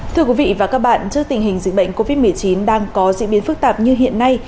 thưa quý vị và các bạn trước tình hình dịch bệnh covid một mươi chín đang có diễn biến phức tạp như hiện nay